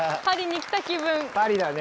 パリだね。